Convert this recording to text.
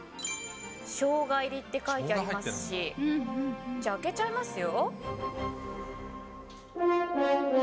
しょうが入りって書いてありますし、じゃあ、開けちゃいますよ。